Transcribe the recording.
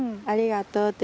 ありがとう！